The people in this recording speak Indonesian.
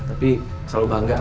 tapi selalu bangga